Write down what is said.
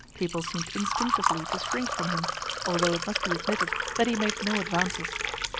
People seemed instinctively to shrink from him, although it must be admitted that he made no advances.